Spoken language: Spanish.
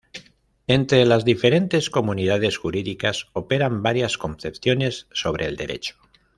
Entre las diferentes comunidades jurídicas operan varias concepciones sobre el Derecho.